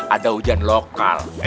ada hujan lokal